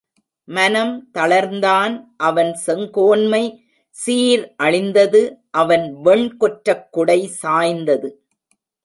மனம் தளர்ந்தான் அவன் செங்கோன்மை சீர்அழிந்தது அவன் வெண் கொற்றக் குடை சாய்ந்தது.